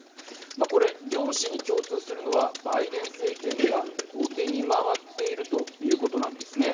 これ両紙に共通するのはバイデン政権が後手に回っているということなんですね。